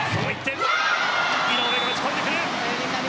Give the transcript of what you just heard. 井上が打ち込んでくる。